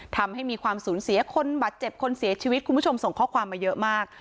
ทำให้มีความสูญเสียคนบาดเจ็บคนเสียชีวิตคุณผู้ชมส่งข้อความมาเยอะมาก